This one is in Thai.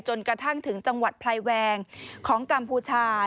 จนกระทั่งถึงจังหวัดไพรแวงของกัมพูชา